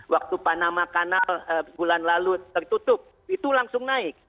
waktu panama kanal bulan lalu tertutup itu langsung naik